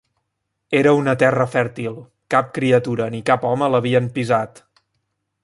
Era una terra fèrtil, cap criatura ni cap home l'havien pisat.